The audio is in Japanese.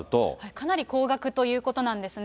かなり高額ということなんですね。